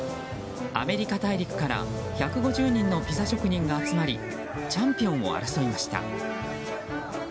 アメリカ大陸から１５０人のピザ職人が集まりチャンピオンを争いました。